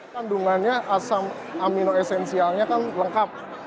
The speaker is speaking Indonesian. kandungannya asam aminoesensialnya kan lengkap